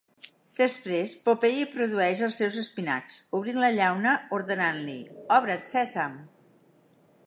Després, Popeye produeix els seus espinacs, obrint la llauna ordenant-li "Obre't Sèsam!"